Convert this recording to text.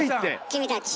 君たち。